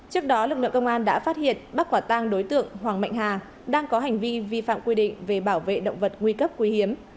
trước đó lực lượng công an đã phát hiện bắt quả tang đối tượng hoàng mạnh hà đang có hành vi vi phạm quy định về bảo vệ động vật nguy cấp quý hiếm